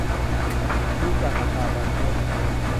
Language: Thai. ดูจากอัตราการซื้ออาวุธ